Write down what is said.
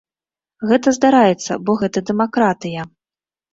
Гэта здараецца, бо гэта дэмакратыя.